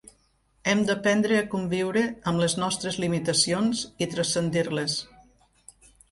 Hem d'aprendre a conviure amb les nostres limitacions, i transcendir-les.